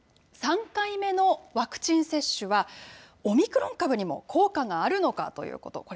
３回目のワクチン接種は、オミクロン株にも効果があるのかということ。